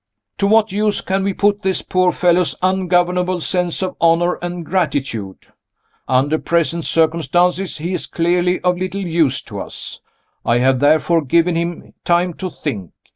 To what use can we put this poor fellow's ungovernable sense of honor and gratitude? Under present circumstances, he is clearly of little use to us. I have therefore given him time to think.